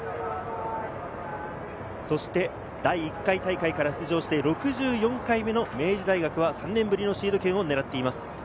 そして第１回大会から出場して６４回目の明治大学は３年ぶりのシード権を狙っています。